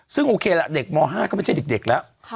ซึ่งโอเคละเด็กม๕ก็ไม่ใช่เด็กแล้ว